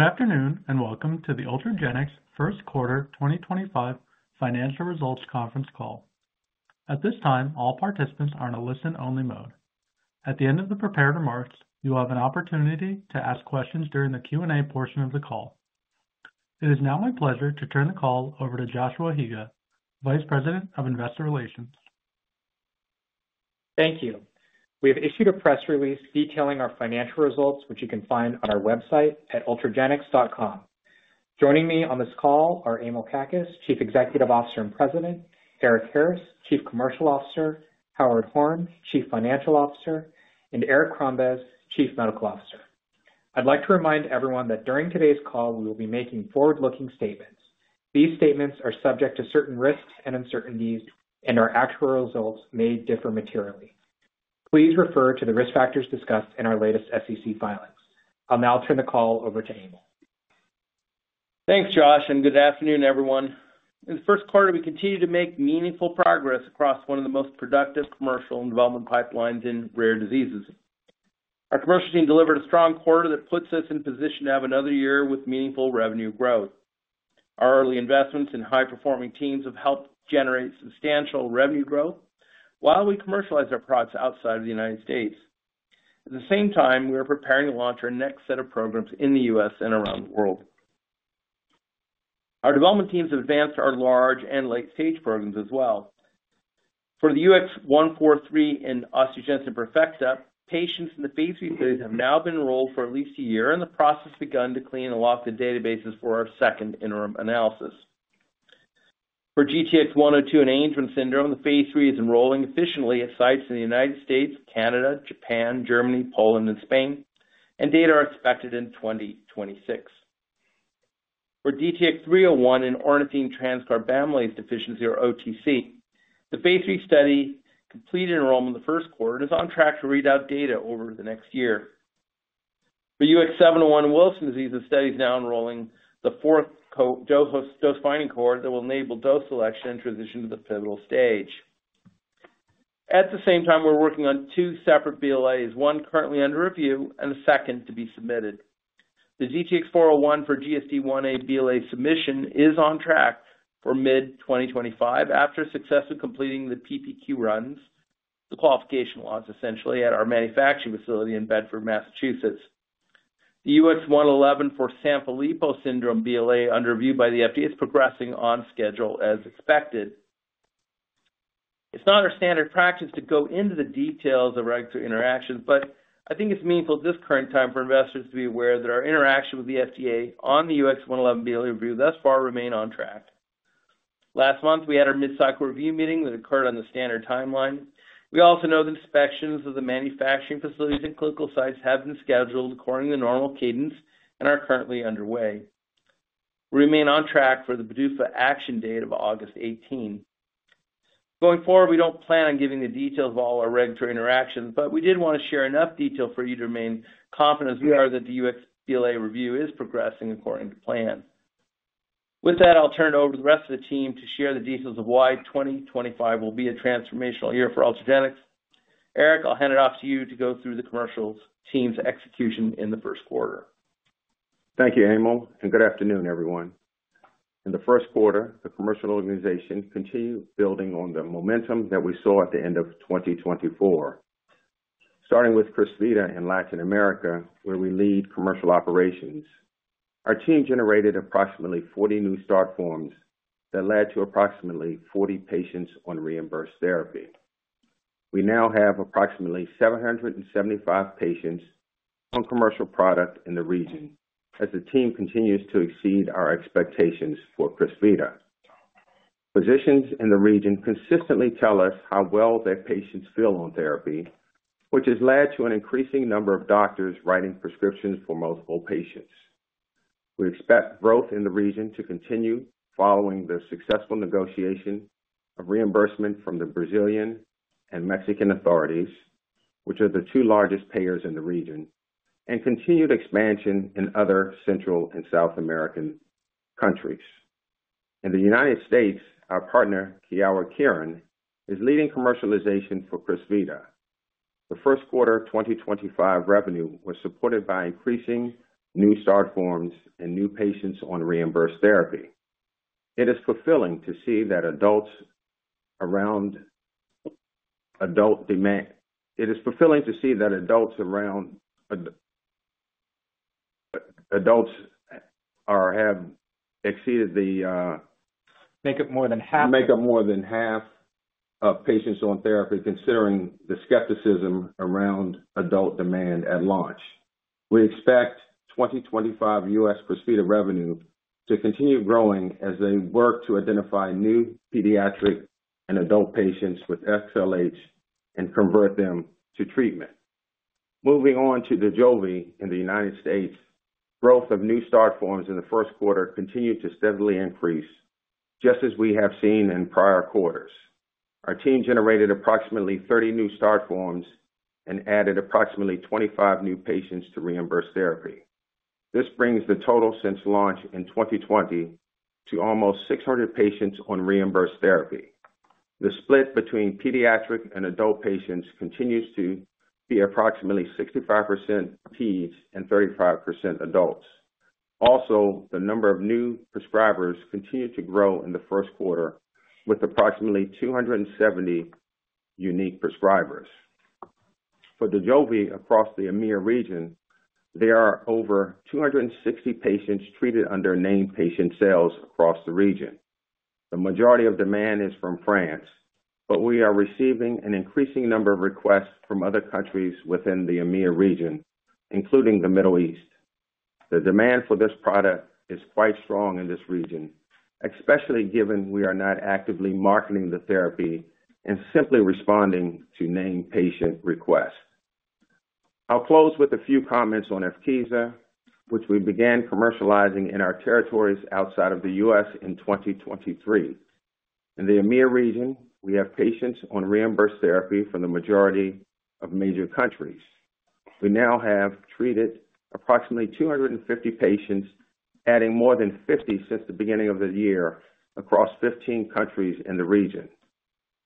Good afternoon and welcome to the Ultragenyx First Quarter 2025 Financial Results Conference call. At this time, all participants are in a listen-only mode. At the end of the prepared remarks, you will have an opportunity to ask questions during the Q&A portion of the call. It is now my pleasure to turn the call over to Joshua Higa, Vice President of Investor Relations. Thank you. We have issued a press release detailing our financial results, which you can find on our website at ultragenyx.com. Joining me on this call are Emil Kakkis, Chief Executive Officer and President, Eric Harris, Chief Commercial Officer, Howard Horn, Chief Financial Officer, and Eric Crombez, Chief Medical Officer. I'd like to remind everyone that during today's call, we will be making forward-looking statements. These statements are subject to certain risks and uncertainties, and our actual results may differ materially. Please refer to the risk factors discussed in our latest SEC filings. I'll now turn the call over to Emil. Thanks, Josh, and good afternoon, everyone. In the first quarter, we continue to make meaningful progress across one of the most productive commercial and development pipelines in rare diseases. Our commercial team delivered a strong quarter that puts us in position to have another year with meaningful revenue growth. Our early investments in high-performing teams have helped generate substantial revenue growth while we commercialize our products outside of the U.S. At the same time, we are preparing to launch our next set of programs in the U.S. and around the world. Our development teams have advanced our large and late-stage programs as well. For the UX143 and osteogenesis imperfecta, patients in the phase 3 studies have now been enrolled for at least a year, and the process has begun to clean and lock the databases for our second interim analysis. For GTX-102 and Angelman syndrome, the phase 3 is enrolling efficiently at sites in the United States, Canada, Japan, Germany, Poland, and Spain, and data are expected in 2026. For DTX301 and ornithine transcarbamylase deficiency, or OTC, the phase 3 study completed enrollment in the first quarter and is on track to read out data over the next year. For UX701 and Wilson disease, the study is now enrolling the fourth dose-finding cohort that will enable dose selection and transition to the pivotal stage. At the same time, we're working on two separate BLAs, one currently under review and a second to be submitted. The DTX401 for GSD1A BLA submission is on track for mid-2025 after successfully completing the PPQ runs, the qualification lots, essentially, at our manufacturing facility in Bedford, Massachusetts. The UX111 for Sanfilippo syndrome BLA, under review by the FDA, is progressing on schedule, as expected. It's not our standard practice to go into the details of regulatory interactions, but I think it's meaningful at this current time for investors to be aware that our interaction with the FDA on the UX111 BLA review thus far remains on track. Last month, we had our mid-cycle review meeting that occurred on the standard timeline. We also know that inspections of the manufacturing facilities and clinical sites have been scheduled according to the normal cadence and are currently underway. We remain on track for the BDUFA action date of August 18. Going forward, we don't plan on giving the details of all our regulatory interactions, but we did want to share enough detail for you to remain confident as we are that the UX111 BLA review is progressing according to plan. With that, I'll turn it over to the rest of the team to share the details of why 2025 will be a transformational year for Ultragenyx. Eric, I'll hand it off to you to go through the commercial team's execution in the first quarter. Thank you, Emil, and good afternoon, everyone. In the first quarter, the commercial organization continued building on the momentum that we saw at the end of 2024, starting with Crysvita in Latin America, where we lead commercial operations. Our team generated approximately 40 new start forms that led to approximately 40 patients on reimbursed therapy. We now have approximately 775 patients on commercial product in the region, as the team continues to exceed our expectations for Crysvita. Physicians in the region consistently tell us how well their patients feel on therapy, which has led to an increasing number of doctors writing prescriptions for multiple patients. We expect growth in the region to continue following the successful negotiation of reimbursement from the Brazilian and Mexican authorities, which are the two largest payers in the region, and continued expansion in other Central and South American countries. In the United States, our partner, Kyowa Kirin, is leading commercialization for Crysvita. The first quarter 2025 revenue was supported by increasing new start forms and new patients on reimbursed therapy. It is fulfilling to see that adults around adult demand it is fulfilling to see that adults around adults have exceeded the. Make it more than half. Make it more than half of patients on therapy, considering the skepticism around adult demand at launch. We expect 2025 U.S. Crysvita revenue to continue growing as they work to identify new pediatric and adult patients with XLH and convert them to treatment. Moving on to Dojolvi in the United States, growth of new start forms in the first quarter continued to steadily increase, just as we have seen in prior quarters. Our team generated approximately 30 new start forms and added approximately 25 new patients to reimbursed therapy. This brings the total since launch in 2020 to almost 600 patients on reimbursed therapy. The split between pediatric and adult patients continues to be approximately 65% teens and 35% adults. Also, the number of new prescribers continued to grow in the first quarter, with approximately 270 unique prescribers. For Dojolvi across the EMEA region, there are over 260 patients treated under named patient sales across the region. The majority of demand is from France, but we are receiving an increasing number of requests from other countries within the EMEA region, including the Middle East. The demand for this product is quite strong in this region, especially given we are not actively marketing the therapy and simply responding to named patient requests. I'll close with a few comments on Evkeeza, which we began commercializing in our territories outside of the U.S. in 2023. In the EMEA region, we have patients on reimbursed therapy from the majority of major countries. We now have treated approximately 250 patients, adding more than 50 since the beginning of the year across 15 countries in the region.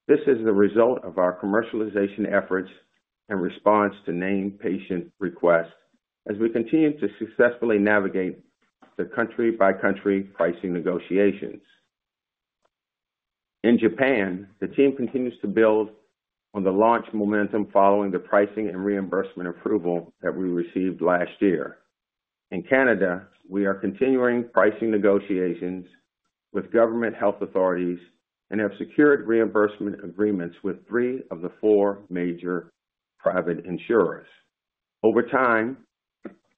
This is the result of our commercialization efforts and response to named patient requests as we continue to successfully navigate the country-by-country pricing negotiations. In Japan, the team continues to build on the launch momentum following the pricing and reimbursement approval that we received last year. In Canada, we are continuing pricing negotiations with government health authorities and have secured reimbursement agreements with three of the four major private insurers. Over time,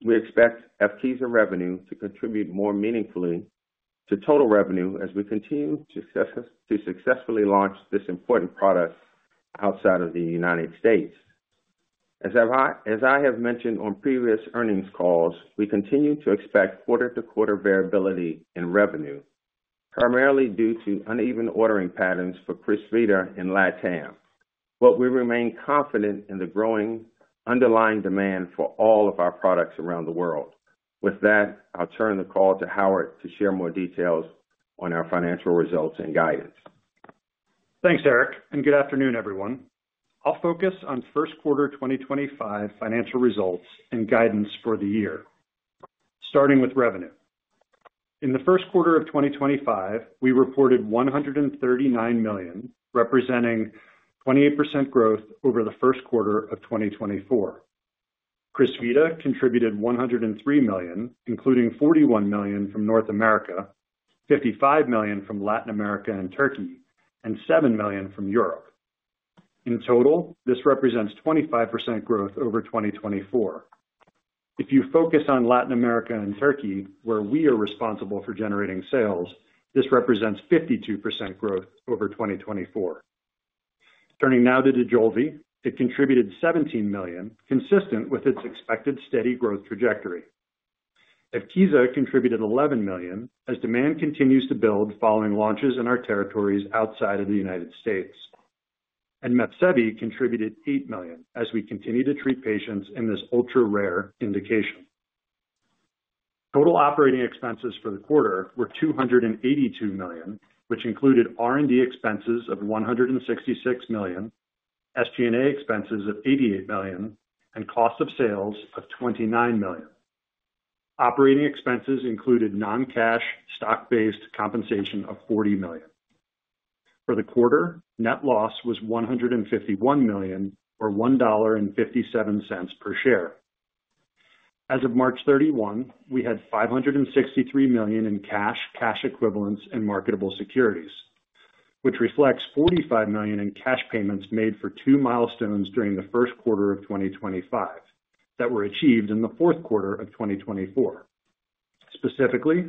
we expect Evkeeza revenue to contribute more meaningfully to total revenue as we continue to successfully launch this important product outside of the United States. As I have mentioned on previous earnings calls, we continue to expect quarter-to-quarter variability in revenue, primarily due to uneven ordering patterns for Crysvita in Latin America, but we remain confident in the growing underlying demand for all of our products around the world. With that, I'll turn the call to Howard to share more details on our financial results and guidance. Thanks, Eric, and good afternoon, everyone. I'll focus on first quarter 2025 financial results and guidance for the year, starting with revenue. In the first quarter of 2025, we reported $139 million, representing 28% growth over the first quarter of 2024. Crysvita contributed $103 million, including $41 million from North America, $55 million from Latin America and Turkey, and $7 million from Europe. In total, this represents 25% growth over 2024. If you focus on Latin America and Turkey, where we are responsible for generating sales, this represents 52% growth over 2024. Turning now to Dojolvi, it contributed $17 million, consistent with its expected steady growth trajectory. Evkeeza contributed $11 million, as demand continues to build following launches in our territories outside of the United States. Mepsevii contributed $8 million, as we continue to treat patients in this ultra-rare indication. Total operating expenses for the quarter were $282 million, which included R&D expenses of $166 million, SG&A expenses of $88 million, and cost of sales of $29 million. Operating expenses included non-cash, stock-based compensation of $40 million. For the quarter, net loss was $151 million, or $1.57 per share. As of March 31, we had $563 million in cash, cash equivalents, and marketable securities, which reflects $45 million in cash payments made for two milestones during the first quarter of 2025 that were achieved in the fourth quarter of 2024, specifically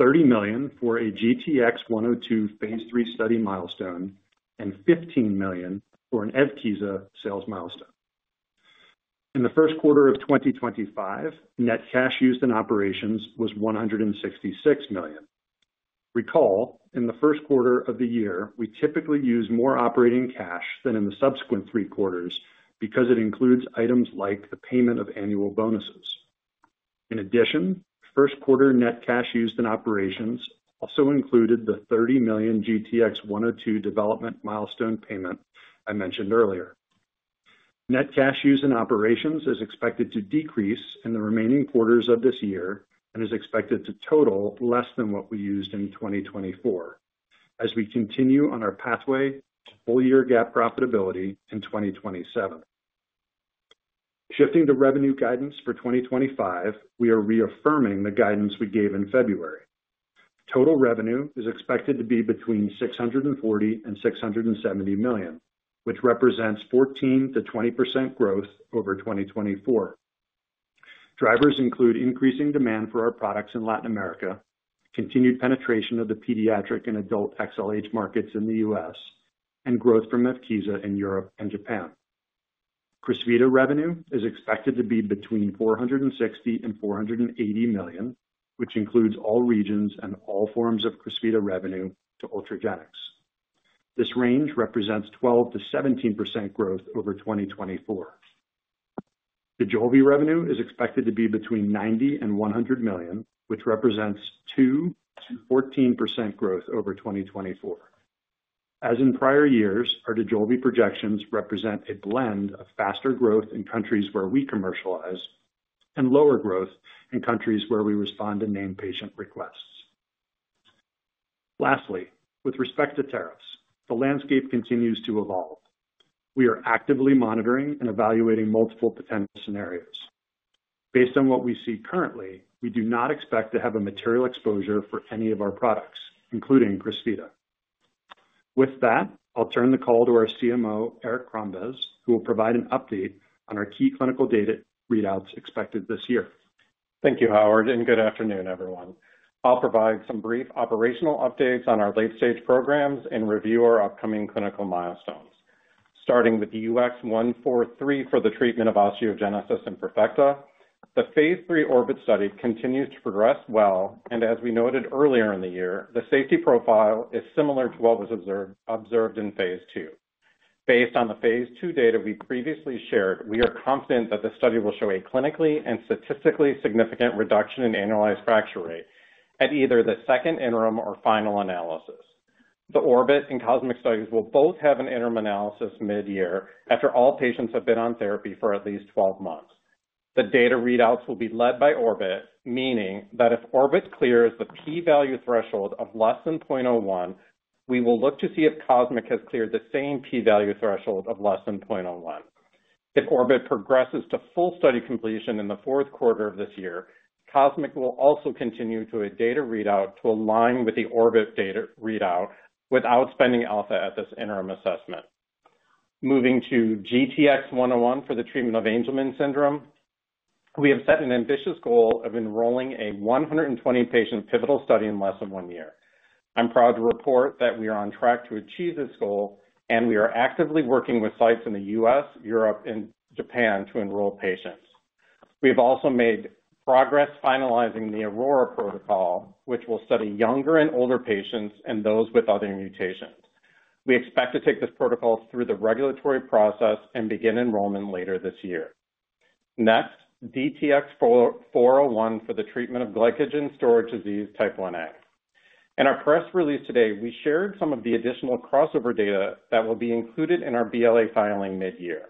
$30 million for a GTX-102 phase 3 study milestone and $15 million for an Evkeeza sales milestone. In the first quarter of 2025, net cash used in operations was $166 million. Recall, in the first quarter of the year, we typically use more operating cash than in the subsequent three quarters because it includes items like the payment of annual bonuses. In addition, first quarter net cash used in operations also included the $30 million GTX-102 development milestone payment I mentioned earlier. Net cash used in operations is expected to decrease in the remaining quarters of this year and is expected to total less than what we used in 2024, as we continue on our pathway to full-year GAAP profitability in 2027. Shifting to revenue guidance for 2025, we are reaffirming the guidance we gave in February. Total revenue is expected to be between $640 million-$670 million, which represents 14%-20% growth over 2024. Drivers include increasing demand for our products in Latin America, continued penetration of the pediatric and adult XLH markets in the U.S., and growth from Evkeeza in Europe and Japan. Crysvita revenue is expected to be between $460 million and $480 million, which includes all regions and all forms of Crysvita revenue to Ultragenyx. This range represents 12%-17% growth over 2024. Dojolvi revenue is expected to be between $90 million and $100 million, which represents 2%-14% growth over 2024. As in prior years, our Dojolvi projections represent a blend of faster growth in countries where we commercialize and lower growth in countries where we respond to named patient requests. Lastly, with respect to tariffs, the landscape continues to evolve. We are actively monitoring and evaluating multiple potential scenarios. Based on what we see currently, we do not expect to have a material exposure for any of our products, including Crysvita. With that, I'll turn the call to our CMO, Eric Crombez, who will provide an update on our key clinical data readouts expected this year. Thank you, Howard, and good afternoon, everyone. I'll provide some brief operational updates on our late-stage programs and review our upcoming clinical milestones. Starting with the UX143 for the treatment of osteogenesis imperfecta, the phase 3 Orbit study continues to progress well, and as we noted earlier in the year, the safety profile is similar to what was observed in phase 2. Based on the phase 2 data we previously shared, we are confident that the study will show a clinically and statistically significant reduction in annualized fracture rate at either the second interim or final analysis. The Orbit and Cosmic studies will both have an interim analysis mid-year after all patients have been on therapy for at least 12 months. The data readouts will be led by Orbit, meaning that if Orbit clears the p-value threshold of less than 0.01, we will look to see if Cosmic has cleared the same p-value threshold of less than 0.01. If Orbit progresses to full study completion in the fourth quarter of this year, Cosmic will also continue to a data readout to align with the Orbit data readout without spending alpha at this interim assessment. Moving to GTX-102 for the treatment of Angelman syndrome, we have set an ambitious goal of enrolling a 120-patient pivotal study in less than one year. I'm proud to report that we are on track to achieve this goal, and we are actively working with sites in the U.S., Europe, and Japan to enroll patients. We have also made progress finalizing the Aurora protocol, which will study younger and older patients and those with other mutations. We expect to take this protocol through the regulatory process and begin enrollment later this year. Next, DTX401 for the treatment of glycogen storage disease type 1A. In our press release today, we shared some of the additional crossover data that will be included in our BLA filing mid-year.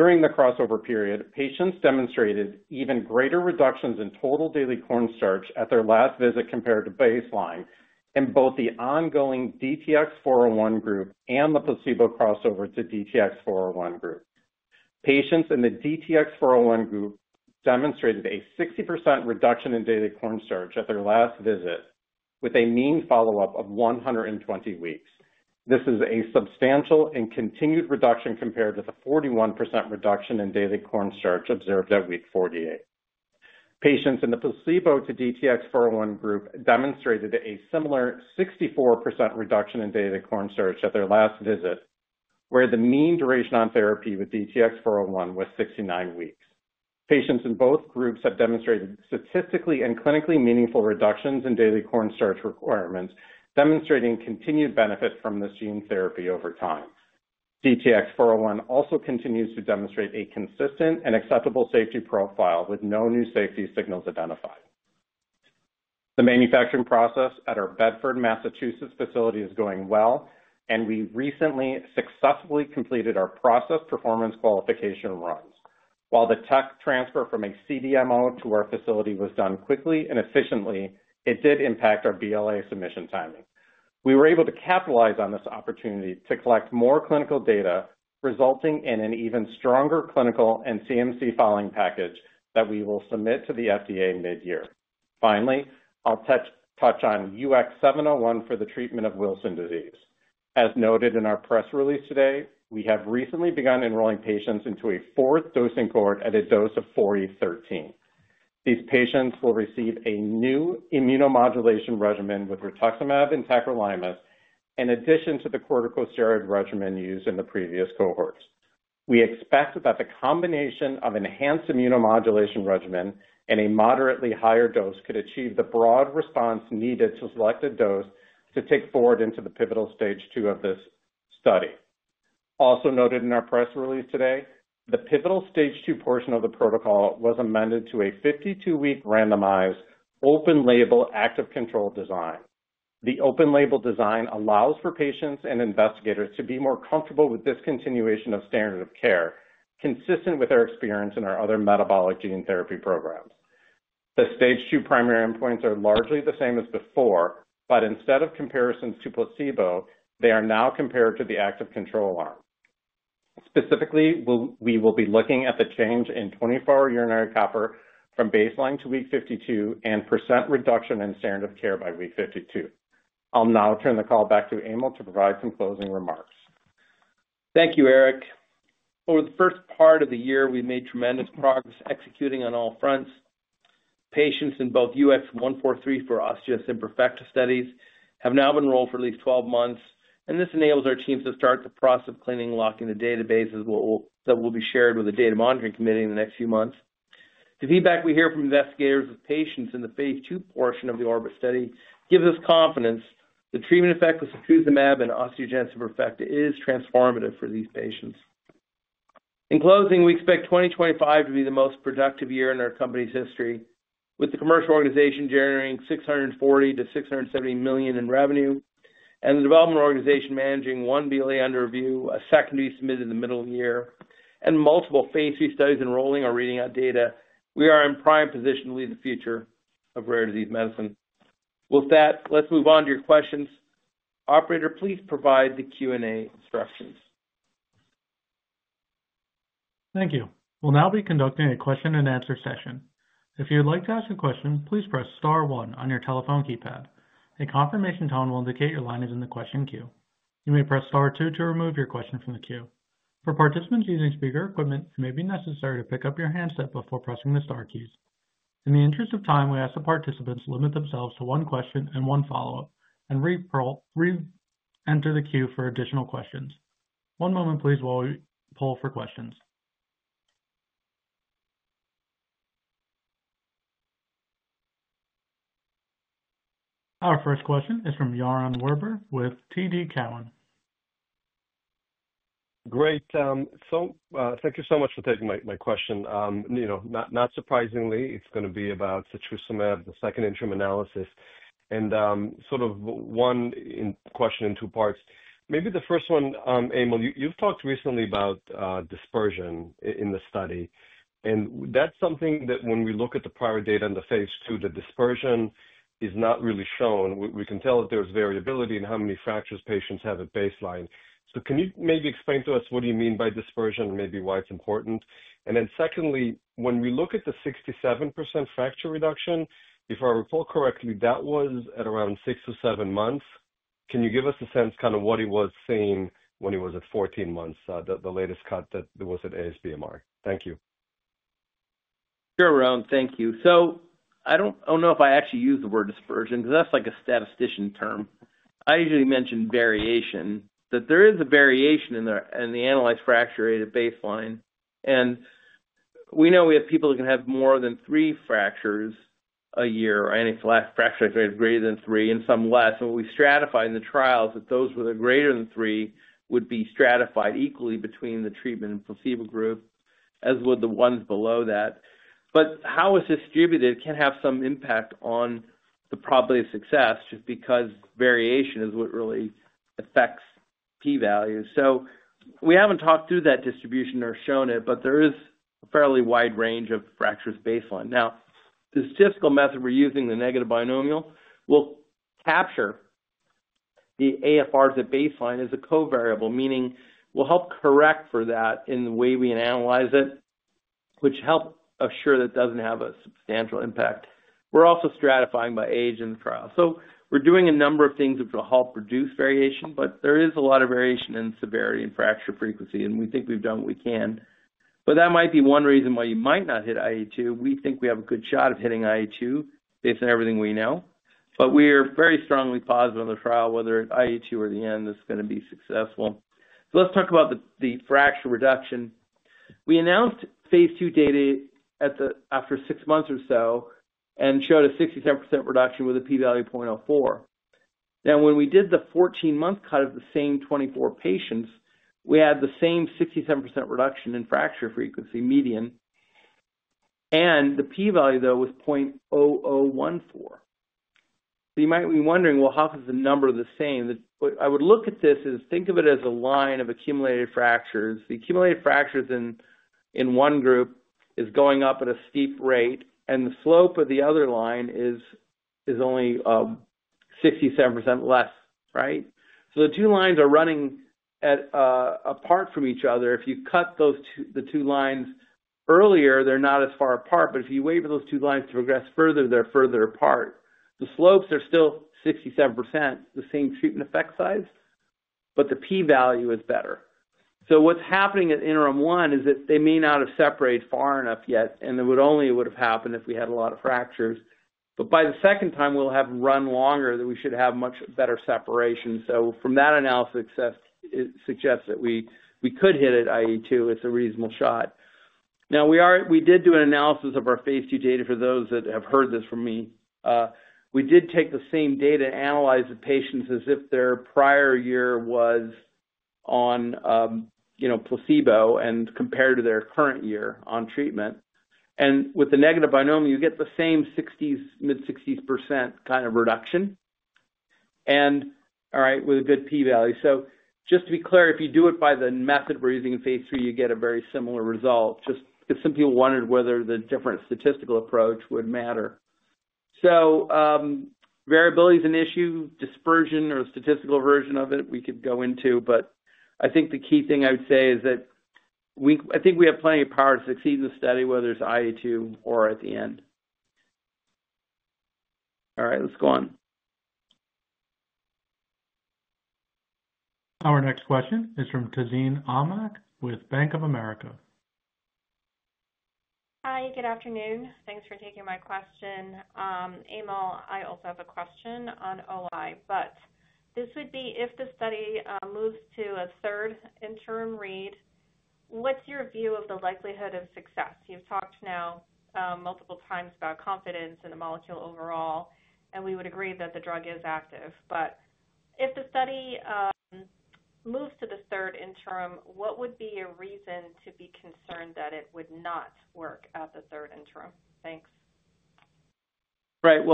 During the crossover period, patients demonstrated even greater reductions in total daily corn starch at their last visit compared to baseline in both the ongoing DTX401 group and the placebo crossover to DTX401 group. Patients in the DTX401 group demonstrated a 60% reduction in daily corn starch at their last visit, with a mean follow-up of 120 weeks. This is a substantial and continued reduction compared to the 41% reduction in daily corn starch observed at week 48. Patients in the placebo to DTX401 group demonstrated a similar 64% reduction in daily corn starch at their last visit, where the mean duration on therapy with DTX401 was 69 weeks. Patients in both groups have demonstrated statistically and clinically meaningful reductions in daily corn starch requirements, demonstrating continued benefit from this gene therapy over time. DTX401 also continues to demonstrate a consistent and acceptable safety profile with no new safety signals identified. The manufacturing process at our Bedford, Massachusetts facility is going well, and we recently successfully completed our process performance qualification runs. While the tech transfer from a CDMO to our facility was done quickly and efficiently, it did impact our BLA submission timing. We were able to capitalize on this opportunity to collect more clinical data, resulting in an even stronger clinical and CMC filing package that we will submit to the FDA mid-year. Finally, I'll touch on UX701 for the treatment of Wilson disease. As noted in our press release today, we have recently begun enrolling patients into a fourth dosing cohort at a dose of 40/13. These patients will receive a new immunomodulation regimen with rituximab and tacrolimus, in addition to the corticosteroid regimen used in the previous cohorts. We expect that the combination of enhanced immunomodulation regimen and a moderately higher dose could achieve the broad response needed to select a dose to take forward into the pivotal stage two of this study. Also noted in our press release today, the pivotal stage two portion of the protocol was amended to a 52-week randomized open-label active control design. The open-label design allows for patients and investigators to be more comfortable with this continuation of standard of care, consistent with our experience in our other metabolic gene therapy programs. The stage two primary endpoints are largely the same as before, but instead of comparisons to placebo, they are now compared to the active control arm. Specifically, we will be looking at the change in 24-hour urinary copper from baseline to week 52 and % reduction in standard of care by week 52. I'll now turn the call back to Emil to provide some closing remarks. Thank you, Eric. Over the first part of the year, we've made tremendous progress executing on all fronts. Patients in both UX143 for osteogenesis imperfecta studies have now been enrolled for at least 12 months, and this enables our teams to start the process of cleaning and locking the databases that will be shared with the data monitoring committee in the next few months. The feedback we hear from investigators of patients in the phase two portion of the Orbit study gives us confidence that the treatment effect with rituximab and osteogenesis imperfecta is transformative for these patients. In closing, we expect 2025 to be the most productive year in our company's history, with the commercial organization generating $640 million-$670 million in revenue, and the development organization managing one BLA under review, a second to be submitted in the middle of the year, and multiple phase three studies enrolling or reading out data. We are in prime position to lead the future of rare disease medicine. With that, let's move on to your questions. Operator, please provide the Q&A instructions. Thank you. We'll now be conducting a question-and-answer session. If you'd like to ask a question, please press Star 1 on your telephone keypad. A confirmation tone will indicate your line is in the question queue. You may press Star 2 to remove your question from the queue. For participants using speaker equipment, it may be necessary to pick up your handset before pressing the Star keys. In the interest of time, we ask that participants limit themselves to one question and one follow-up and re-enter the queue for additional questions. One moment, please, while we pull for questions. Our first question is from Yaron Werber with TD Cowen. Great. Thank you so much for taking my question. You know, not surprisingly, it's going to be about rituximab, the second interim analysis, and sort of one question in two parts. Maybe the first one, Emil, you've talked recently about dispersion in the study, and that's something that when we look at the prior data in the phase two, the dispersion is not really shown. We can tell that there's variability in how many fractures patients have at baseline. Can you maybe explain to us what you mean by dispersion, maybe why it's important? Secondly, when we look at the 67% fracture reduction, if I recall correctly, that was at around six to seven months. Can you give us a sense kind of what he was seeing when he was at 14 months, the latest cut that was at ASBMR? Thank you. Here around, thank you. I don't know if I actually use the word dispersion because that's like a statistician term. I usually mention variation, that there is a variation in the analyzed fracture rate at baseline. We know we have people who can have more than three fractures a year or a fracture rate of greater than three and some less. What we stratified in the trials is that those with a greater than three would be stratified equally between the treatment and placebo group, as would the ones below that. How it's distributed can have some impact on the probability of success just because variation is what really affects p-value. We haven't talked through that distribution or shown it, but there is a fairly wide range of fractures baseline. Now, the statistical method we're using, the negative binomial, will capture the AFRs at baseline as a covariable, meaning we'll help correct for that in the way we analyze it, which helps assure that it doesn't have a substantial impact. We're also stratifying by age in the trial. We're doing a number of things which will help reduce variation, but there is a lot of variation in severity and fracture frequency, and we think we've done what we can. That might be one reason why you might not hit IA2. We think we have a good shot of hitting IA2 based on everything we know, but we are very strongly positive on the trial, whether at IA2 or the end, it's going to be successful. Let's talk about the fracture reduction. We announced phase two data after six months or so and showed a 67% reduction with a p-value of 0.04. Now, when we did the 14-month cut of the same 24 patients, we had the same 67% reduction in fracture frequency median, and the p-value, though, was 0.0014. You might be wondering, how come the number is the same? I would look at this as think of it as a line of accumulated fractures. The accumulated fractures in one group are going up at a steep rate, and the slope of the other line is only 67% less, right? The two lines are running apart from each other. If you cut the two lines earlier, they are not as far apart, but if you wait for those two lines to progress further, they are further apart. The slopes are still 67%, the same treatment effect size, but the p-value is better. What's happening at interim one is that they may not have separated far enough yet, and it would only have happened if we had a lot of fractures. By the second time, we'll have run longer that we should have much better separation. From that analysis, it suggests that we could hit at IA2. It's a reasonable shot. Now, we did do an analysis of our phase two data for those that have heard this from me. We did take the same data and analyze the patients as if their prior year was on placebo and compared to their current year on treatment. With the negative binomial, you get the same mid-60% kind of reduction, and all right, with a good p-value. Just to be clear, if you do it by the method we're using in phase three, you get a very similar result. Just simply wondered whether the different statistical approach would matter. Variability is an issue. Dispersion or the statistical version of it, we could go into, but I think the key thing I would say is that I think we have plenty of power to succeed in the study, whether it's IA2 or at the end. All right, let's go on. Our next question is from Tazeen Ahmad with BofA Securities. Hi, good afternoon. Thanks for taking my question. Emil, I also have a question on OI, but this would be if the study moves to a third interim read, what's your view of the likelihood of success? You've talked now multiple times about confidence in the molecule overall, and we would agree that the drug is active. If the study moves to the third interim, what would be a reason to be concerned that it would not work at the third interim? Thanks. Right. It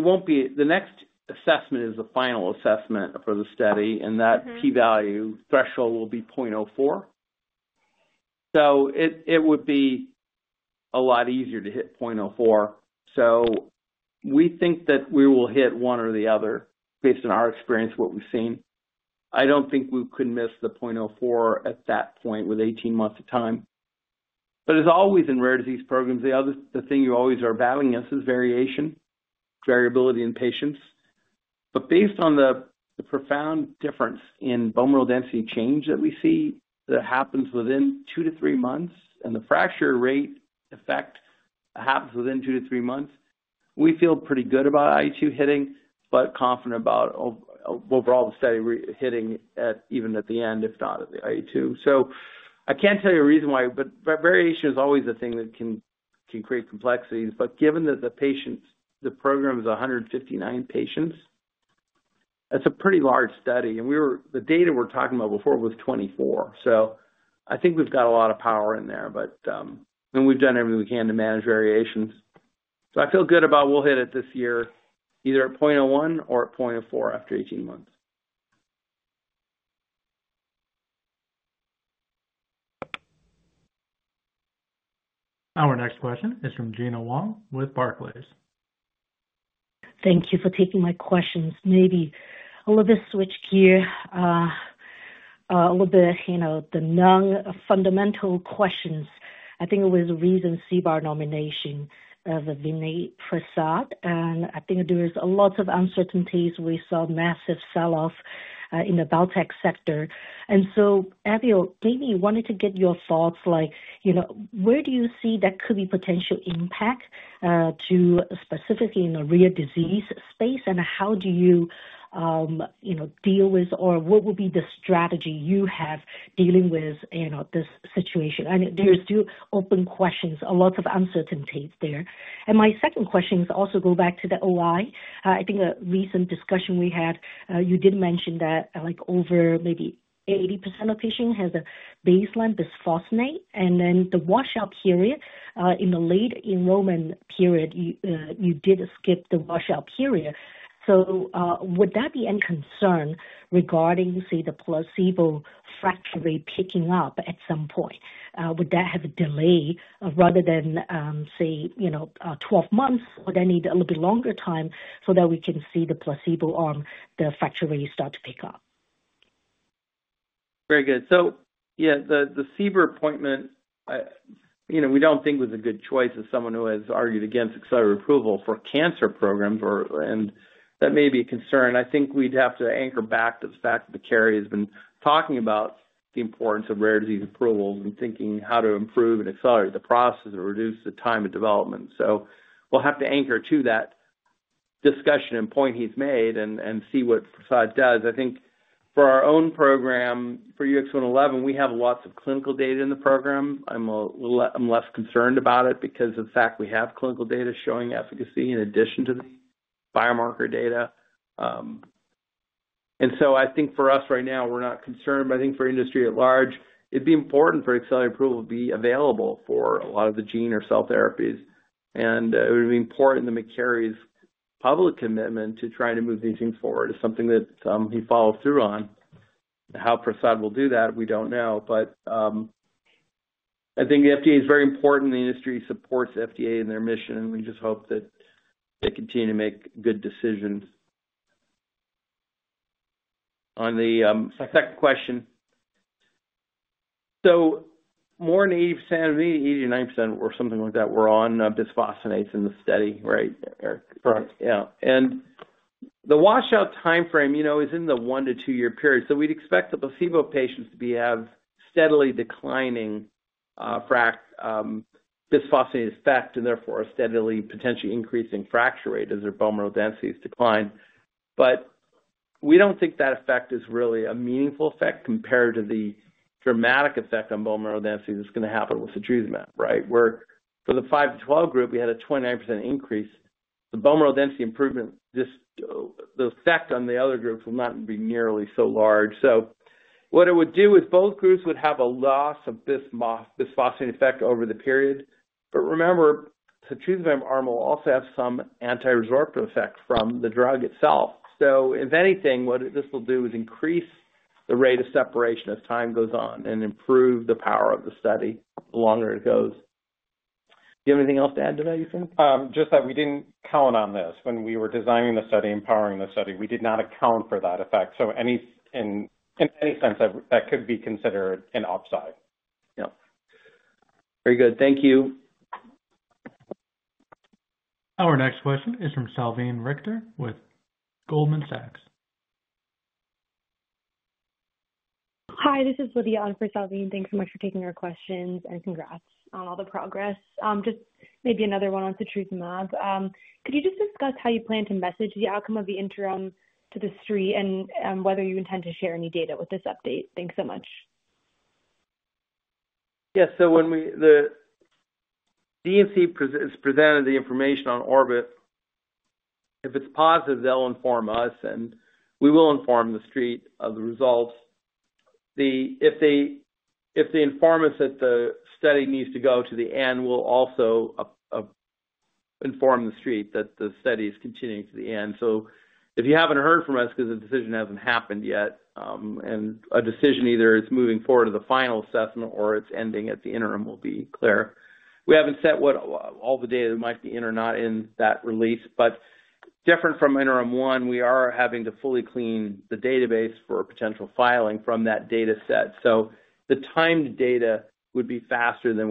will not be the next assessment; it is the final assessment for the study, and that p-value threshold will be 0.04. It would be a lot easier to hit 0.04. We think that we will hit one or the other based on our experience, what we have seen. I do not think we could miss the 0.04 at that point with 18 months of time. As always in rare disease programs, the thing you always are battling against is variation, variability in patients. Based on the profound difference in bone mineral density change that we see that happens within two to three months and the fracture rate effect happens within two to three months, we feel pretty good about IA2 hitting, but confident about overall the study hitting even at the end, if not at the IA2. I cannot tell you a reason why, but variation is always a thing that can create complexities. Given that the patients, the program is 159 patients, that is a pretty large study. The data we are talking about before was 24. I think we have got a lot of power in there, and we have done everything we can to manage variations. I feel good about we will hit it this year either at 0.01 or at 0.04 after 18 months. Our next question is from Gena Wang with Barclays. Thank you for taking my questions. Maybe a little bit switch gear, a little bit the non-fundamental questions. I think it was a recent CBAR nomination of Vinay Prasad, and I think there's lots of uncertainties. We saw massive sell-off in the biotech sector. Abby, maybe you wanted to get your thoughts, like where do you see that could be potential impact to specifically in the rare disease space, and how do you deal with, or what would be the strategy you have dealing with this situation? There's still open questions, a lot of uncertainties there. My second question is also go back to the OI. I think a recent discussion we had, you did mention that over maybe 80% of patients has a baseline bisphosphonate, and then the washout period in the late enrollment period, you did skip the washout period. Would that be a concern regarding, say, the placebo fracture rate picking up at some point? Would that have a delay rather than, say, 12 months? Would that need a little bit longer time so that we can see the placebo arm, the fracture rate start to pick up? Very good. Yeah, the CBR appointment, we do not think was a good choice as someone who has argued against accelerated approval for cancer programs, and that may be a concern. I think we have to anchor back to the fact that Kerry has been talking about the importance of rare disease approvals and thinking how to improve and accelerate the process or reduce the time of development. We will have to anchor to that discussion and point he has made and see what Prasad does. I think for our own program, for UX111, we have lots of clinical data in the program. I am less concerned about it because of the fact we have clinical data showing efficacy in addition to the biomarker data. I think for us right now, we're not concerned, but I think for industry at large, it'd be important for accelerated approval to be available for a lot of the gene or cell therapies, and it would be important that McKerry's public commitment to trying to move these things forward is something that he follows through on. How Prasad will do that, we don't know, but I think the FDA is very important. The industry supports FDA in their mission, and we just hope that they continue to make good decisions. On the second question, more than 80%, maybe 80% or 90% or something like that, were on bisphosphonates in the study, right? Correct. Yeah. The washout timeframe is in the one to two-year period. We would expect the placebo patients to have steadily declining bisphosphonate effect and therefore a steadily potentially increasing fracture rate as their bone mineral densities decline. We do not think that effect is really a meaningful effect compared to the dramatic effect on bone mineral density that is going to happen with setrusumab, right? For the 5-12 group, we had a 29% increase. The bone mineral density improvement, the effect on the other groups will not be nearly so large. What it would do is both groups would have a loss of bisphosphonate effect over the period. Remember, the setrusumab arm will also have some anti-resorptive effect from the drug itself. If anything, what this will do is increase the rate of separation as time goes on and improve the power of the study the longer it goes. Do you have anything else to add to that, you think? Just that we didn't count on this when we were designing the study and powering the study. We did not account for that effect. In any sense, that could be considered an upside. Yep. Very good. Thank you. Our next question is from Salveen Richter with Goldman Sachs. Hi, this is Lydia for Salveen. Thanks so much for taking our questions and congrats on all the progress. Just maybe another one on setrusumab. Could you just discuss how you plan to message the outcome of the interim to the street and whether you intend to share any data with this update? Thanks so much. Yes. When the DNC has presented the information on Orbit, if it is positive, they will inform us, and we will inform the street of the results. If they inform us that the study needs to go to the end, we will also inform the street that the study is continuing to the end. If you have not heard from us because the decision has not happened yet, a decision either is moving forward to the final assessment or it is ending at the interim will be clear. We have not set what all the data might be in or not in that release, but different from interim one, we are having to fully clean the database for potential filing from that data set. The timed data would be faster than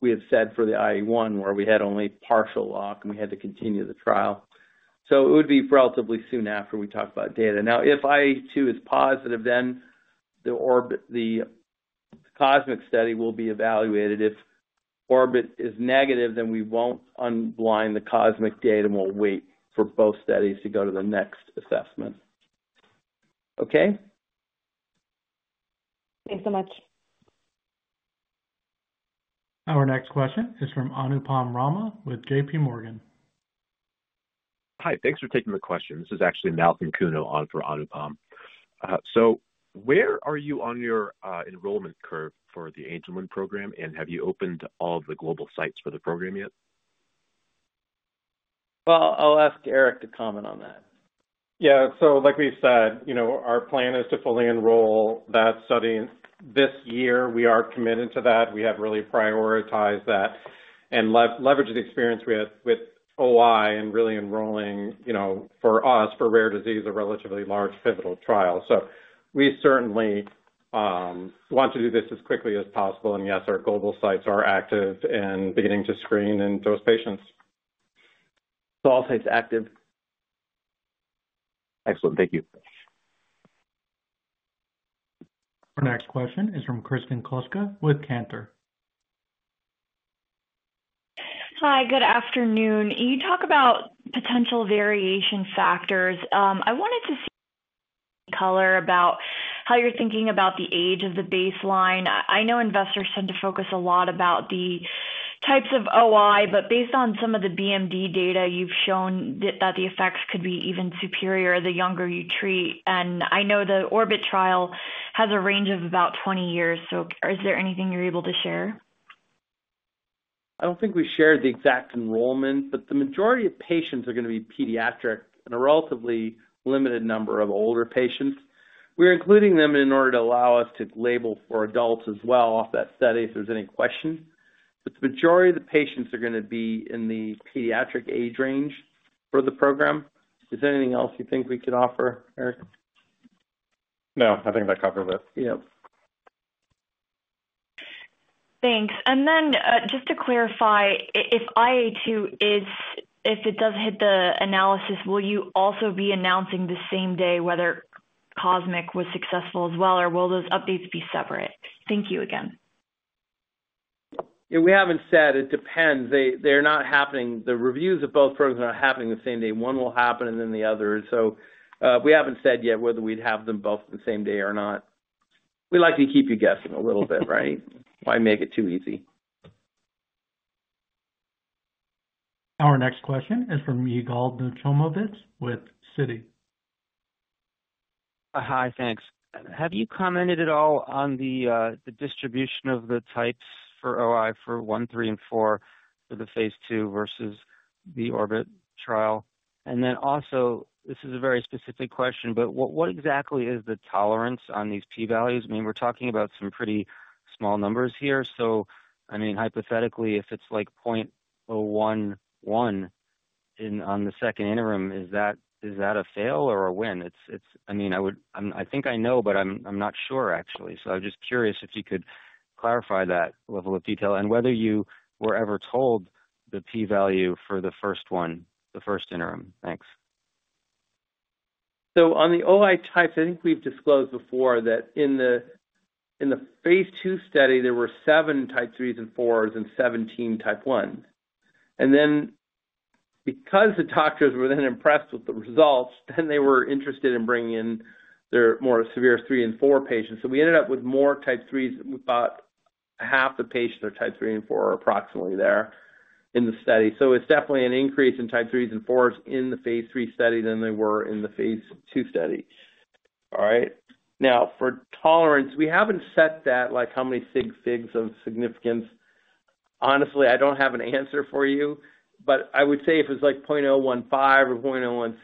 we have said for the IA1, where we had only partial lock and we had to continue the trial. It would be relatively soon after we talk about data. Now, if IA2 is positive, then the COSMIC study will be evaluated. If Orbit is negative, then we will not unblind the COSMIC data and we will wait for both studies to go to the next assessment. Okay? Thanks so much. Our next question is from Anupam Rama with JPMorgan Chase & Co. Hi, thanks for taking the question. This is actually Malcolm Kuno on for Anupam. Where are you on your enrollment curve for the Angelman program, and have you opened all of the global sites for the program yet? I'll ask Eric to comment on that. Yeah. Like we've said, our plan is to fully enroll that study this year. We are committed to that. We have really prioritized that and leveraged the experience we had with OI and really enrolling for us for rare disease, a relatively large pivotal trial. We certainly want to do this as quickly as possible. Yes, our global sites are active and beginning to screen those patients. All sites active. Excellent. Thank you. Our next question is from Kristen Brianne with Cantor. Hi, good afternoon. You talk about potential variation factors. I wanted to see color about how you're thinking about the age of the baseline. I know investors tend to focus a lot about the types of OI, but based on some of the BMD data, you've shown that the effects could be even superior the younger you treat. I know the Orbit trial has a range of about 20 years. Is there anything you're able to share? I don't think we shared the exact enrollment, but the majority of patients are going to be pediatric and a relatively limited number of older patients. We're including them in order to allow us to label for adults as well off that study if there's any questions. The majority of the patients are going to be in the pediatric age range for the program. Is there anything else you think we could offer, Eric? No, I think that covers it. Yep. Thanks. And then just to clarify, if IA2, if it does hit the analysis, will you also be announcing the same day whether Cosmic was successful as well, or will those updates be separate? Thank you again. Yeah, we haven't said. It depends. They're not happening. The reviews of both programs are not happening the same day. One will happen and then the other. So we haven't said yet whether we'd have them both the same day or not. We like to keep you guessing a little bit, right? Why make it too easy? Our next question is from Yigal Dov Nochomovitz with Citigroup. Hi, thanks. Have you commented at all on the distribution of the types for OI for one, three, and four for the phase two versus the Orbit trial? Also, this is a very specific question, but what exactly is the tolerance on these p-values? I mean, we're talking about some pretty small numbers here. I mean, hypothetically, if it's like 0.011 on the second interim, is that a fail or a win? I mean, I think I know, but I'm not sure, actually. I'm just curious if you could clarify that level of detail and whether you were ever told the p-value for the first one, the first interim. Thanks. On the OI types, I think we've disclosed before that in the phase two study, there were seven type threes and fours and 17 type ones. Then because the doctors were then impressed with the results, then they were interested in bringing in their more severe three and four patients. We ended up with more type threes. We thought half the patients are type three and four or approximately there in the study. It is definitely an increase in type threes and fours in the phase three study than they were in the phase two study. All right. Now, for tolerance, we have not set that like how many sig figs of significance. Honestly, I do not have an answer for you, but I would say if it was like 0.015 or 0.016,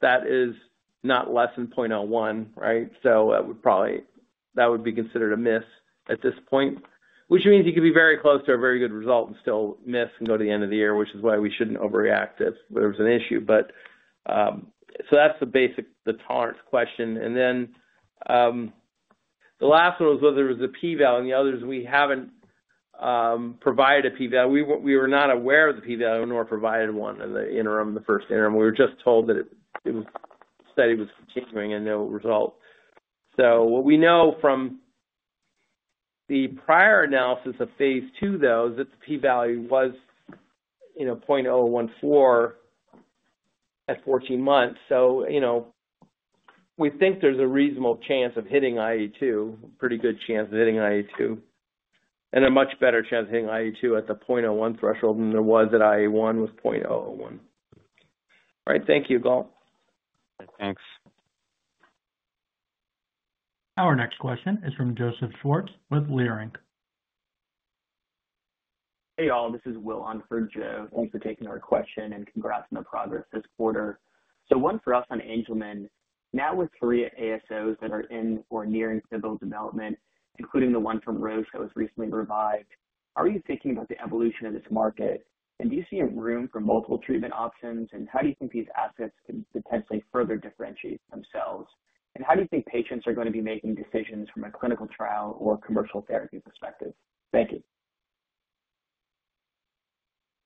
that is not less than 0.01, right? That would probably be considered a miss at this point, which means you could be very close to a very good result and still miss and go to the end of the year, which is why we should not overreact if there was an issue. That is the basic, the tolerance question. The last one was whether it was a p-value. The others, we have not provided a p-value. We were not aware of the p-value nor provided one in the interim, the first interim. We were just told that the study was continuing and no result. What we know from the prior analysis of phase two, though, is that the p-value was 0.014 at 14 months. We think there's a reasonable chance of hitting IA2, a pretty good chance of hitting IA2, and a much better chance of hitting IA2 at the 0.01 threshold than there was at IA1 with 0.001. All right. Thank you, Yigal. Thanks. Our next question is from Joseph Schwartz with Leerink. Hey, all. This is Will on for Joe. Thanks for taking our question and congrats on the progress this quarter. One for us on Angelman. Now with three ASOs that are in or nearing clinical development, including the one from Roche that was recently revived, how are you thinking about the evolution of this market? Do you see room for multiple treatment options? How do you think these assets could potentially further differentiate themselves? How do you think patients are going to be making decisions from a clinical trial or commercial therapy perspective? Thank you.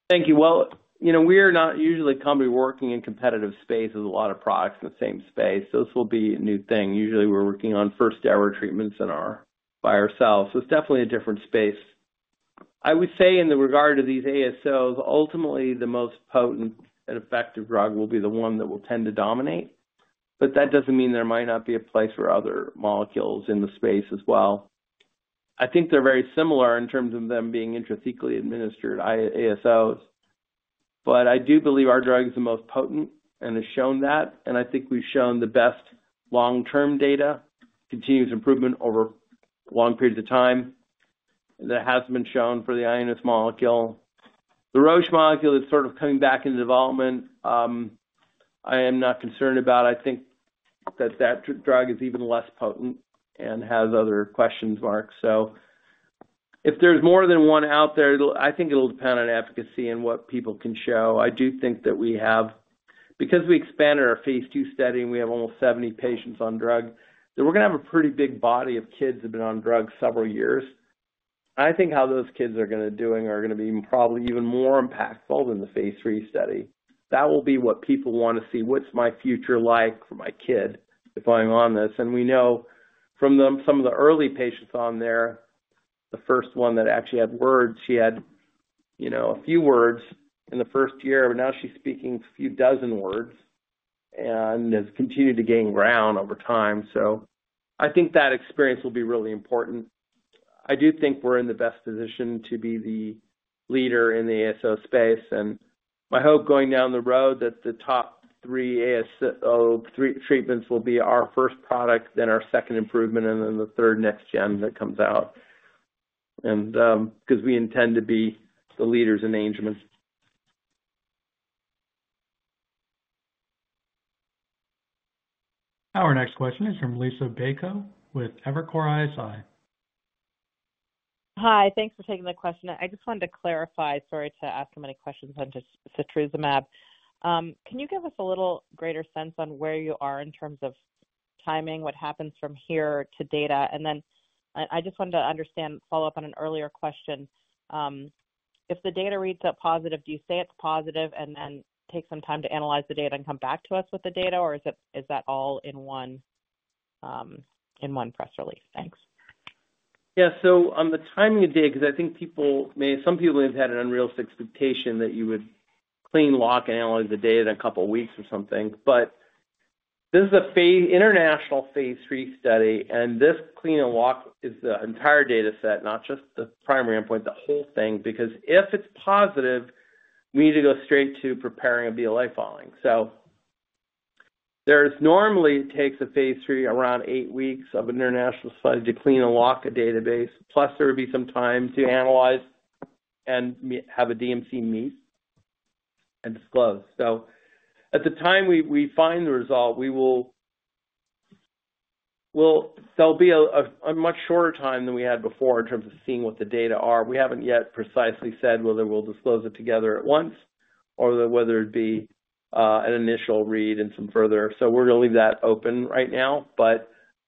Thank you. We are not usually a company working in competitive spaces with a lot of products in the same space. This will be a new thing. Usually, we're working on first-ever treatments by ourselves. It is definitely a different space. I would say in regard to these ASOs, ultimately, the most potent and effective drug will be the one that will tend to dominate. That does not mean there might not be a place for other molecules in the space as well. I think they're very similar in terms of them being intrathecally administered ASOs. I do believe our drug is the most potent and has shown that. I think we've shown the best long-term data, continuous improvement over long periods of time. That has been shown for the INS molecule. The Roche molecule is sort of coming back into development. I am not concerned about. I think that that drug is even less potent and has other question marks. If there is more than one out there, I think it will depend on efficacy and what people can show. I do think that we have, because we expanded our phase two study and we have almost 70 patients on drug, that we are going to have a pretty big body of kids that have been on drug several years. I think how those kids are going to be doing are going to be probably even more impactful than the phase three study. That will be what people want to see. What is my future like for my kid if I am on this? We know from some of the early patients on there, the first one that actually had words, she had a few words in the first year, but now she's speaking a few dozen words and has continued to gain ground over time. I think that experience will be really important. I do think we're in the best position to be the leader in the ASO space. My hope going down the road is that the top three ASO treatments will be our first product, then our second improvement, and then the third next gen that comes out because we intend to be the leaders in Angelman. Our next question is from Liisa Bayko with Evercore ISI. Hi. Thanks for taking the question. I just wanted to clarify, sorry to ask so many questions on setrusumab. Can you give us a little greater sense on where you are in terms of timing, what happens from here to data? I just wanted to follow up on an earlier question. If the data reads out positive, do you say it's positive and then take some time to analyze the data and come back to us with the data, or is that all in one press release? Thanks. Yeah. So on the timing of data, because I think some people may have had an unrealistic expectation that you would clean, lock, and analyze the data in a couple of weeks or something. This is an international phase 3 study, and this clean and lock is the entire data set, not just the primary endpoint, the whole thing. Because if it's positive, we need to go straight to preparing a BLA following. Normally, it takes a phase 3, around eight weeks of international study to clean and lock a database. Plus, there would be some time to analyze and have a DMC meet and disclose. At the time we find the result, there will be a much shorter time than we had before in terms of seeing what the data are. We have not yet precisely said whether we will disclose it together at once or whether it would be an initial read and some further. We are going to leave that open right now.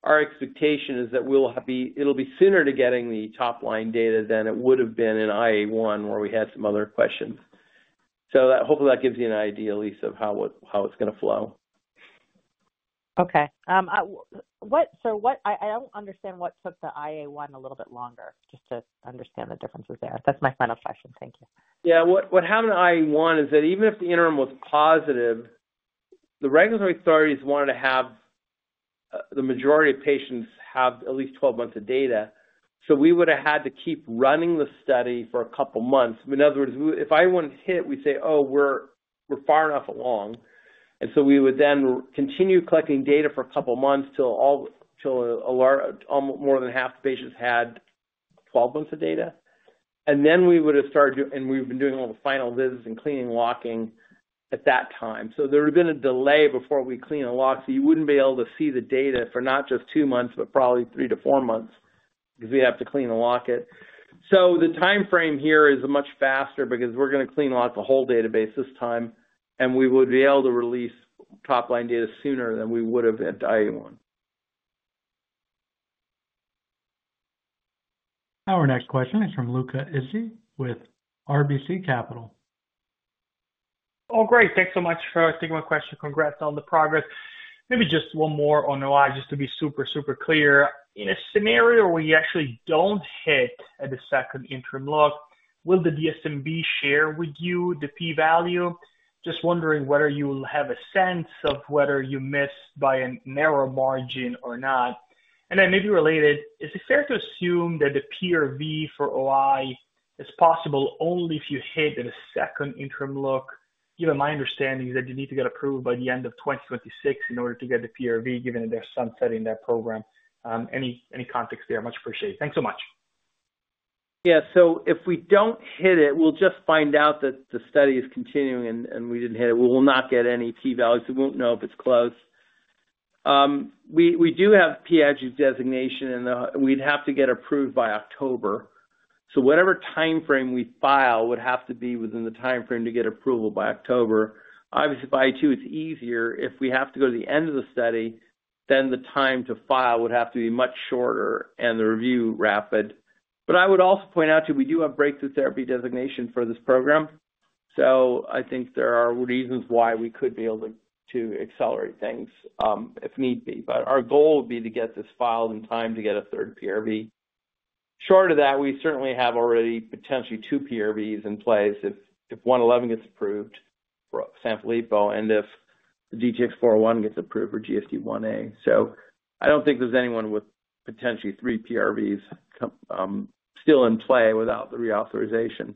Our expectation is that it will be sooner to getting the top-line data than it would have been in IA1 where we had some other questions. Hopefully, that gives you an idea, Lisa, of how it is going to flow. Okay. So I don't understand what took the IA1 a little bit longer, just to understand the differences there. That's my final question. Thank you. Yeah. What happened to IA1 is that even if the interim was positive, the regulatory authorities wanted to have the majority of patients have at least 12 months of data. We would have had to keep running the study for a couple of months. In other words, if IA1 hit it, we'd say, "Oh, we're far enough along." We would then continue collecting data for a couple of months till more than half the patients had 12 months of data. We would have started doing—and we've been doing all the final visits and cleaning and locking at that time. There would have been a delay before we clean and lock. You wouldn't be able to see the data for not just two months, but probably three to four months because we'd have to clean and lock it. The timeframe here is much faster because we're going to clean and lock the whole database this time, and we would be able to release top-line data sooner than we would have at IA1. Our next question is from Luca Issi with RBC Capital Markets. Oh, great. Thanks so much for taking my question. Congrats on the progress. Maybe just one more on OI, just to be super, super clear. In a scenario where you actually do not hit at the second interim look, will the DSMB share with you the p-value? Just wondering whether you have a sense of whether you missed by a narrow margin or not. Maybe related, is it fair to assume that the PRV for OI is possible only if you hit at a second interim look? Given my understanding is that you need to get approved by the end of 2026 in order to get the PRV, given that there is some study in that program. Any context there, much appreciated. Thanks so much. Yeah. So if we don't hit it, we'll just find out that the study is continuing and we didn't hit it. We will not get any p-values. We won't know if it's close. We do have PH designation, and we'd have to get approved by October. So whatever timeframe we file would have to be within the timeframe to get approval by October. Obviously, for IA2, it's easier. If we have to go to the end of the study, then the time to file would have to be much shorter and the review rapid. I would also point out to you, we do have breakthrough therapy designation for this program. I think there are reasons why we could be able to accelerate things if need be. Our goal would be to get this filed in time to get a third PRV. Short of that, we certainly have already potentially two PRVs in place if 111 gets approved for Sanfilippo and if the DTX401 gets approved for GSD1A. I don't think there's anyone with potentially three PRVs still in play without the reauthorization.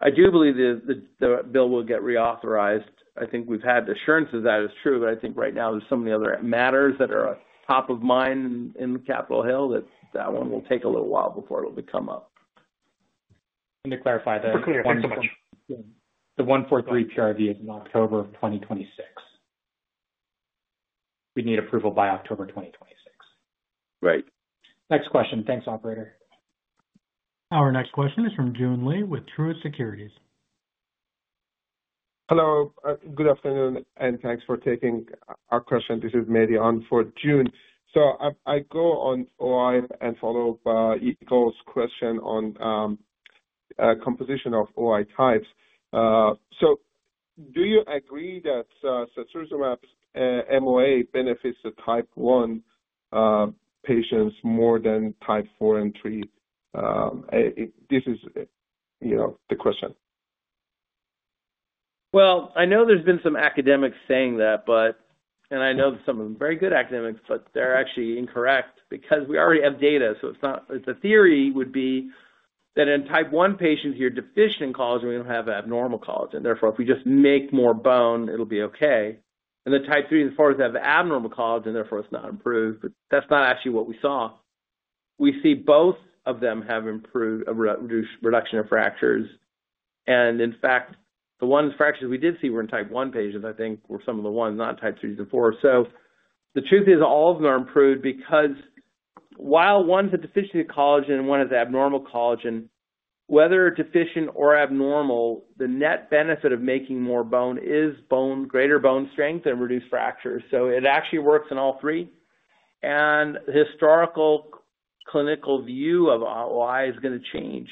I do believe that the bill will get reauthorized. I think we've had assurances that is true, but I think right now there are so many other matters that are top of mind in Capitol Hill that that one will take a little while before it'll come up. To clarify the. The 143 PRV is in October of 2026. We need approval by October 2026. Right. Next question. Thanks, operator. Our next question is from Joon Lee with Truist Securities. Hello. Good afternoon, and thanks for taking our question. This is Mary on for June. I go on OI and follow up Eagle's question on composition of OI types. Do you agree that setrusumab's MOA benefits the type one patients more than type four and three? This is the question. I know there's been some academics saying that, and I know some of them are very good academics, but they're actually incorrect because we already have data. The theory would be that in type one patients, you're deficient in collagen, and we don't have abnormal collagen. Therefore, if we just make more bone, it'll be okay. Then type three and four have abnormal collagen. Therefore, it's not improved. That's not actually what we saw. We see both of them have reduction of fractures. In fact, the ones fractured we did see were in type one patients, I think, were some of the ones, not type threes and fours. The truth is all of them are improved because while one's deficient in collagen and one has abnormal collagen, whether deficient or abnormal, the net benefit of making more bone is greater bone strength and reduced fractures. It actually works in all three. The historical clinical view of OI is going to change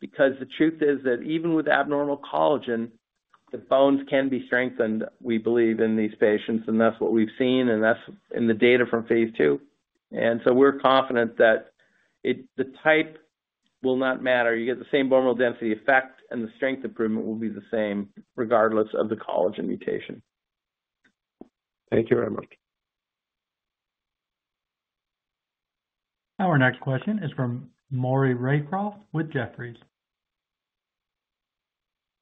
because the truth is that even with abnormal collagen, the bones can be strengthened, we believe, in these patients. That's what we've seen, and that's in the data from phase two. We're confident that the type will not matter. You get the same bone density effect, and the strength improvement will be the same regardless of the collagen mutation. Thank you very much. Our next question is from Maury Raycroft with Jefferies.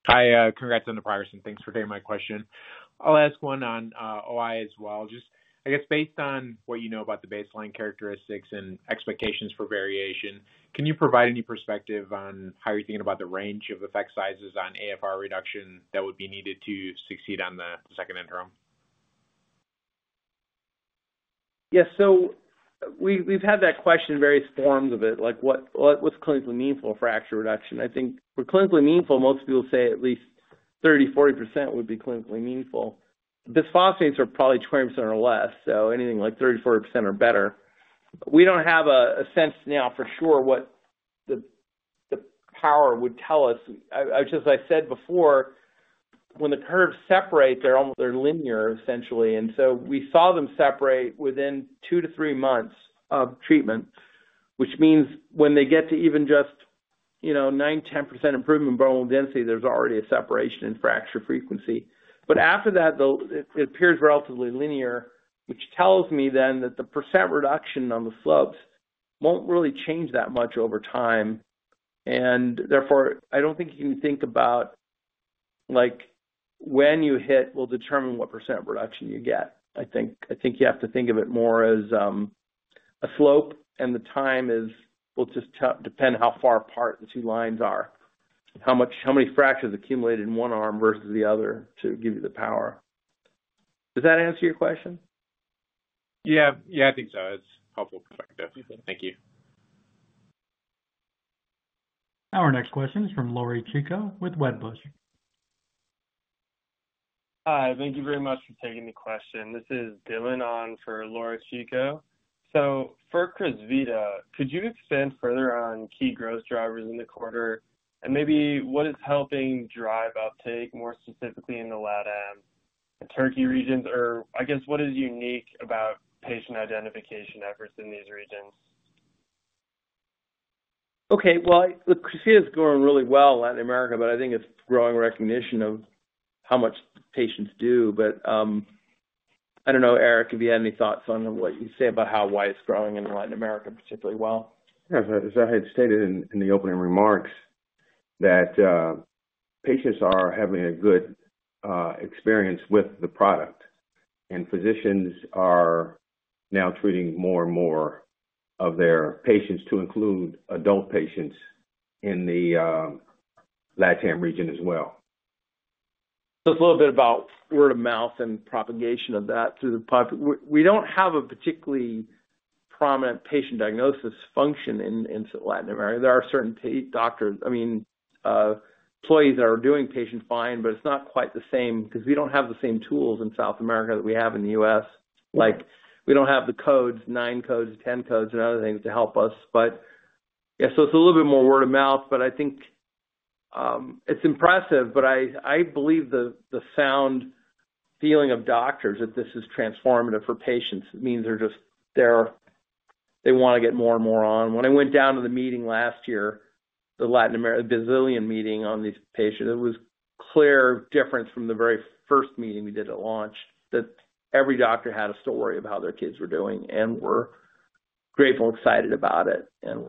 Hi. Congrats on the progress, and thanks for taking my question. I'll ask one on OI as well. I guess based on what you know about the baseline characteristics and expectations for variation, can you provide any perspective on how you're thinking about the range of effect sizes on AFR reduction that would be needed to succeed on the second interim? Yeah. So we've had that question in various forms of it. What's clinically meaningful for fracture reduction? I think for clinically meaningful, most people say at least 30-40% would be clinically meaningful. Bisphosphonates are probably 20% or less, so anything like 30-40% or better. We don't have a sense now for sure what the power would tell us. As I said before, when the curves separate, they're almost linear, essentially. We saw them separate within two to three months of treatment, which means when they get to even just 9-10% improvement in bone density, there's already a separation in fracture frequency. After that, it appears relatively linear, which tells me then that the % reduction on the slopes won't really change that much over time. I don't think you can think about when you hit will determine what % reduction you get. I think you have to think of it more as a slope, and the time will just depend how far apart the two lines are, how many fractures accumulated in one arm versus the other to give you the power. Does that answer your question? Yeah. Yeah, I think so. It's helpful perspective. Thank you. Our next question is from Laura Chico with Wedbush. Hi. Thank you very much for taking the question. This is Dylan on for Lori Chico. For Crysvita, could you expand further on key growth drivers in the quarter and maybe what is helping drive uptake, more specifically in the Latin America and Turkey regions, or I guess what is unique about patient identification efforts in these regions? Okay. Crysvita is growing really well in Latin America, but I think it's growing recognition of how much patients do. I don't know, Eric, if you had any thoughts on what you say about how OI is growing in Latin America particularly well. As I had stated in the opening remarks, that patients are having a good experience with the product, and physicians are now treating more and more of their patients to include adult patients in the LATAM region as well. It's a little bit about word of mouth and propagation of that through the public. We do not have a particularly prominent patient diagnosis function in Latin America. There are certain doctors, I mean, employees that are doing patient find, but it's not quite the same because we do not have the same tools in South America that we have in the U.S. We do not have the codes, 9 codes, 10 codes, and other things to help us. Yeah, it's a little bit more word of mouth, but I think it's impressive. I believe the sound feeling of doctors that this is transformative for patients means they want to get more and more on. When I went down to the meeting last year, the Latin America, the Brazilian meeting on these patients, it was a clear difference from the very first meeting we did at launch that every doctor had a story of how their kids were doing and were grateful and excited about it and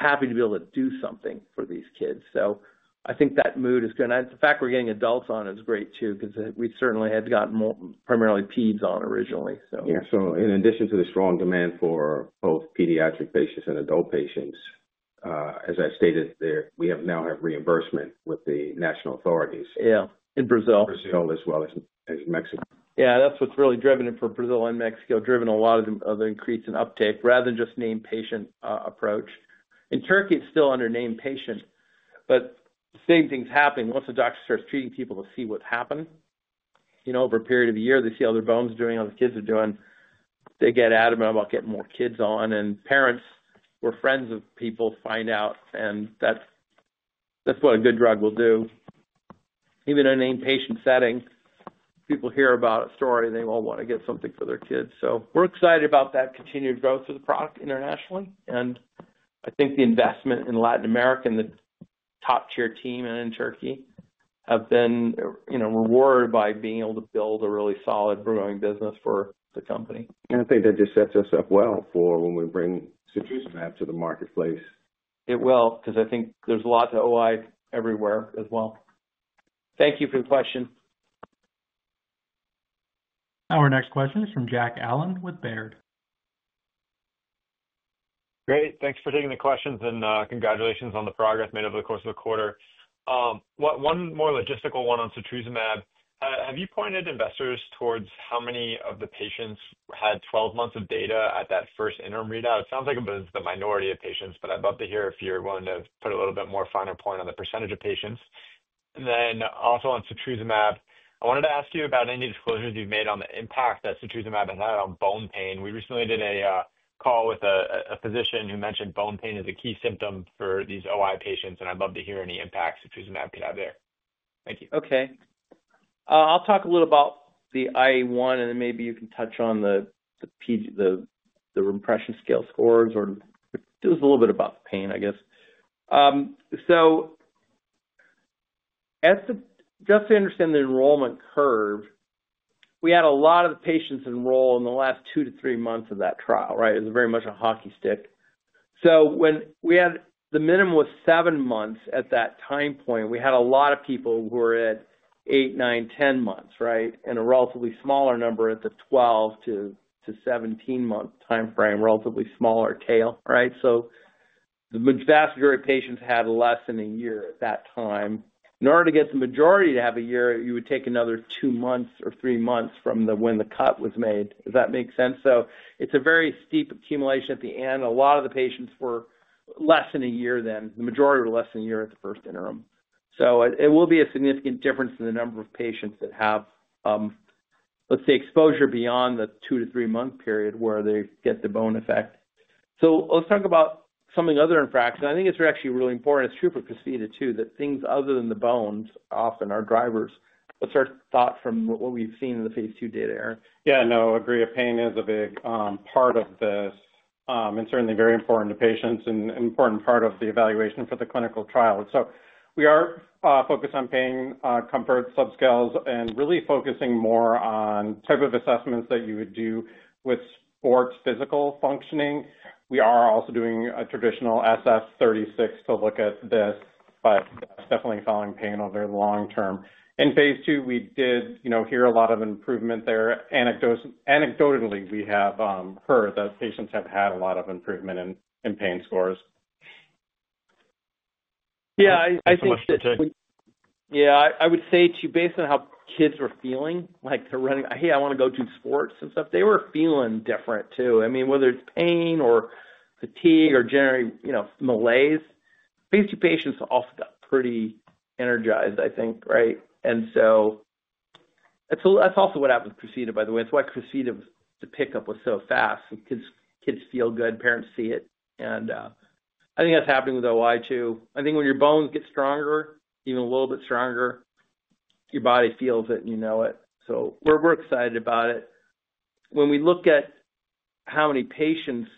were happy to be able to do something for these kids. I think that mood is good. The fact we're getting adults on is great too because we certainly had gotten primarily peds on originally. Yeah. In addition to the strong demand for both pediatric patients and adult patients, as I stated there, we now have reimbursement with the national authorities. Yeah. In Brazil. Brazil as well as Mexico. That is what has really driven it for Brazil and Mexico, driven a lot of the increase in uptake rather than just name patient approach. In Turkey, it is still under name patient. The same thing is happening. Once a doctor starts treating people to see what has happened, over a period of a year, they see how their bones are doing, how their kids are doing. They get adamant about getting more kids on. Parents or friends of people find out, and that is what a good drug will do. Even in a name patient setting, people hear about a story, and they all want to get something for their kids. We are excited about that continued growth of the product internationally. I think the investment in Latin America and the top-tier team in Turkey have been rewarded by being able to build a really solid growing business for the company. I think that just sets us up well for when we bring Crysvita to the marketplace. It will because I think there's a lot to OI everywhere as well. Thank you for the question. Our next question is from Jack Allen with Baird. Great. Thanks for taking the questions, and congratulations on the progress made over the course of the quarter. One more logistical one on setrusumab. Have you pointed investors towards how many of the patients had 12 months of data at that first interim readout? It sounds like it was the minority of patients, but I'd love to hear if you're willing to put a little bit more finer point on the percentage of patients. Also on setrusumab, I wanted to ask you about any disclosures you've made on the impact that setrusumab has had on bone pain. We recently did a call with a physician who mentioned bone pain is a key symptom for these OI patients, and I'd love to hear any impact setrusumab could have there. Thank you. Okay. I'll talk a little about the IA1, and then maybe you can touch on the impression scale scores or just a little bit about the pain, I guess. Just to understand the enrollment curve, we had a lot of patients enroll in the last two to three months of that trial, right? It was very much a hockey stick. When we had the minimum was seven months at that time point, we had a lot of people who were at 8, 9, 10 months, right? And a relatively smaller number at the 12-17 month timeframe, relatively smaller tail, right? The vast majority of patients had less than a year at that time. In order to get the majority to have a year, you would take another two or three months from when the cut was made. Does that make sense? It's a very steep accumulation at the end. A lot of the patients were less than a year then. The majority were less than a year at the first interim. It will be a significant difference in the number of patients that have, let's say, exposure beyond the two- to three-month period where they get the bone effect. Let's talk about something other than fracture. I think it's actually really important. It's true for Crysvita too that things other than the bones often are drivers. What's our thought from what we've seen in the phase two data, Aaron? Yeah. No, I agree. Pain is a big part of this and certainly very important to patients and an important part of the evaluation for the clinical trial. We are focused on pain, comfort, subscales, and really focusing more on the type of assessments that you would do with sports physical functioning. We are also doing a traditional SF36 to look at this, but definitely following pain over the long term. In phase two, we did hear a lot of improvement there. Anecdotally, we have heard that patients have had a lot of improvement in pain scores. Yeah. I think. Yeah. I would say too, based on how kids were feeling, like they're running, "Hey, I want to go do sports and stuff," they were feeling different too. I mean, whether it's pain or fatigue or generally malaise, phase two patients also got pretty energized, I think, right? And that's also what happened with Crysvita, by the way. That's why Crysvita's pickup was so fast. Kids feel good. Parents see it. I think that's happening with OI too. I think when your bones get stronger, even a little bit stronger, your body feels it and you know it. We're excited about it. When we look at how many patients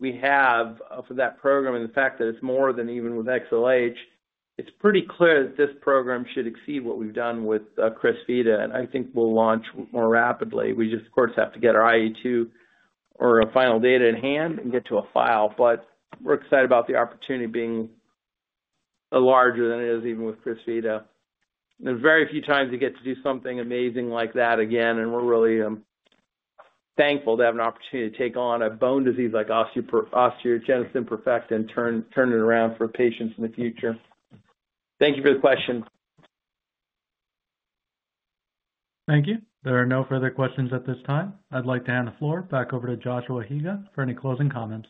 we have for that program and the fact that it's more than even with XLH, it's pretty clear that this program should exceed what we've done with Crysvita. I think we'll launch more rapidly. We just, of course, have to get our IA2 or our final data in hand and get to a file. We are excited about the opportunity being larger than it is even with Crysvita. There are very few times you get to do something amazing like that again, and we are really thankful to have an opportunity to take on a bone disease like osteogenesis imperfecta and turn it around for patients in the future. Thank you for the question. Thank you. There are no further questions at this time. I'd like to hand the floor back over to Joshua Higa for any closing comments.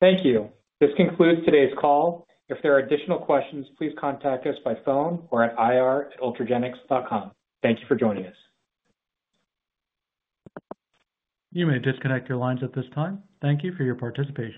Thank you. This concludes today's call. If there are additional questions, please contact us by phone or at ir@ultragenyx.com. Thank you for joining us. You may disconnect your lines at this time. Thank you for your participation.